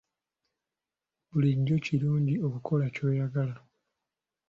Bulijjo kirungi okukola ky'oyagala.